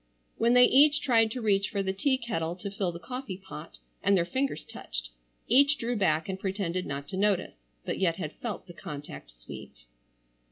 When they each tried to reach for the tea kettle to fill the coffee pot and their fingers touched, each drew back and pretended not to notice, but yet had felt the contact sweet.